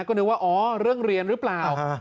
ก็นึกว่าอ๋อเรื่องเรียนหรือเปล่า